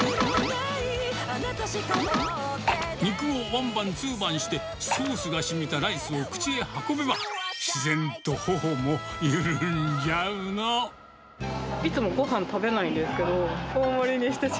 肉をワンバン、ツーバンして、ソースがしみたライスを口へ運べば、自然とほほもいつもごはん食べないんです